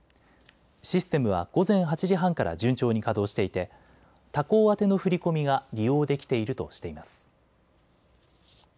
システムは午前８時半から順調に稼働していて他行宛ての振り込みが利用できているとしています。